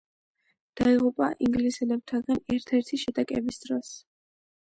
დაიღუპა ინგლისელებთან ერთ-ერთი შეტაკების დროს.